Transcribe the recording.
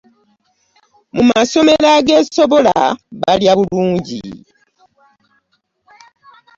Mu masomero ageesobola balya bulungi.